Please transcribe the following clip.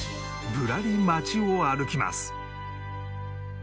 ぶらり街を歩きます